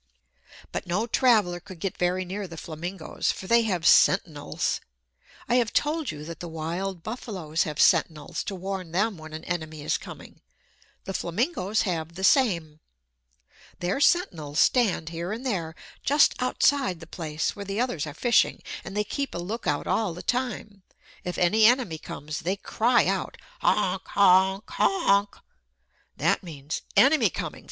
But no traveler could get very near the flamingos, for they have sentinels! I have told you that the wild buffaloes have sentinels to warn them when an enemy is coming. The flamingos have the same. Their sentinels stand here and there just outside the place where the others are fishing; and they keep a lookout all the time. If any enemy comes, they cry out, "Honk! Honk! Honk!" That means, "Enemy coming!